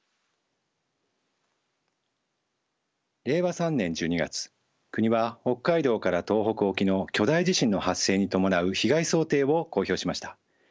令和３年１２月国は北海道から東北沖の巨大地震の発生に伴う被害想定を公表しました。